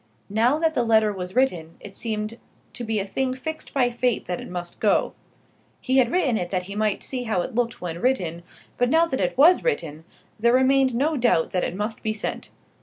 Now that the letter was written it seemed to be a thing fixed by fate that it must go. He had written it that he might see how it looked when written; but now that it was written, there remained no doubt but that it must be sent.